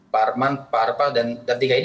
parman parpal dan ketiga ini